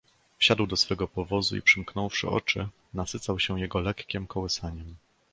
"Wsiadł do swego powozu i, przymknąwszy oczy, nasycał się jego lekkiem kołysaniem."